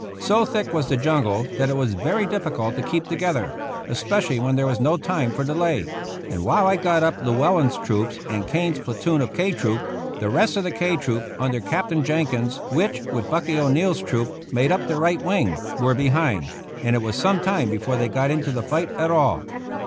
So thick was the jungle that it was very difficult to keep together, especially when there was no time for delay, and while I got up Llewellen's troops and Kane's platoon of K Troop, the rest of K Troop under Captain Jenkins which, with Bucky O'Neill's troop, made up the right wing, were behind, and it was some time before they got into the fight at all.